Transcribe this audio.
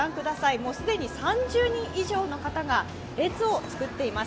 もう既に３０人以上の方が列を作っています。